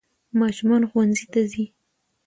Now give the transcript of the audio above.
ماشومان ښونځي ته ځي